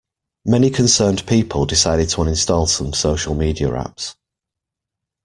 Many concerned people decided to uninstall some social media apps.